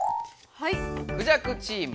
はい。